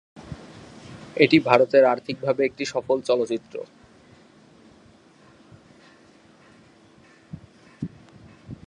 এটি ভারতের আর্থিকভাবে একটি সফল চলচ্চিত্র।